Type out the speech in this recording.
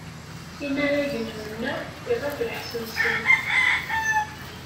Inaragen-nneɣ iɣab lḥess-nsen.